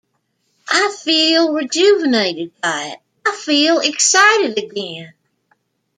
I feel rejuvenated by it, I feel excited again.